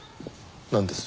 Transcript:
なんです？